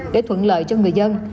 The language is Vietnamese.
để thuận lợi cho người dân